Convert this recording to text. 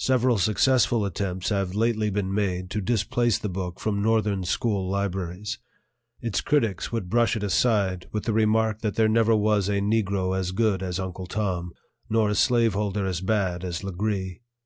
Several successful attempts have lately been made to displace the book from Northern school libraries. Its critics would brush it aside with the remark that there never was a Negro as good as Uncle Tom, nor a slave holder as bad as Legree.